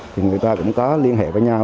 thì người ta cũng có liên hệ với nhau